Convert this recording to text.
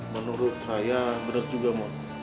menurut saya bener juga mod